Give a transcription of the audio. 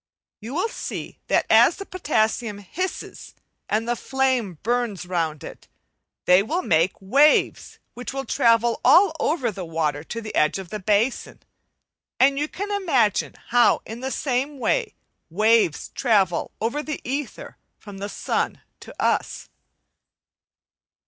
You will see that as the potassium hisses and the flame burns round it, they will make waves which will travel all over the water to the edge of the basin,, and you can imagine how in the same way waves travel over the ether from the sun to us.